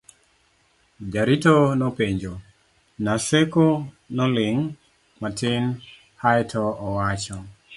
jarito nopenjo .Naseko noling' matin ae to owacho